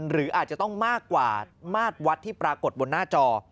หรืออาจจะต้องมากกว่ามาตรวัดที่ปรากฏบนหน้าจอ